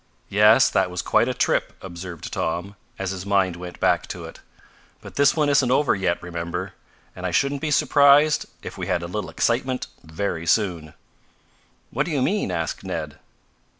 "Yes, that was quite a trip," observed Tom, as his mind went back to it. "But this one isn't over yet remember. And I shouldn't be surprised if we had a little excitement very soon." "What do you mean?" asked Ned.